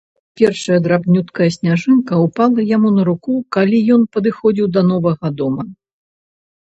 Першая драбнюткая сняжынка ўпала яму на руку, калі ён падыходзіў да новага дома.